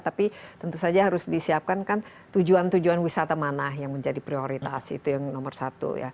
tapi tentu saja harus disiapkan kan tujuan tujuan wisata mana yang menjadi prioritas itu yang nomor satu ya